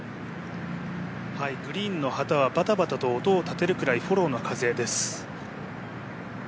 グリーンの旗はハダバタと音を立てるくらい、フォローの風です。